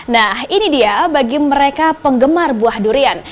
nah ini dia bagi mereka penggemar buah durian